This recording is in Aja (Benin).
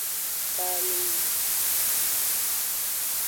Balowi.